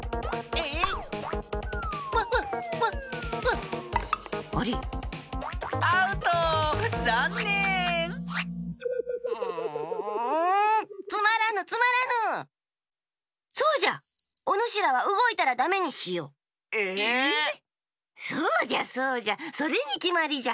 え⁉そうじゃそうじゃそれにきまりじゃ。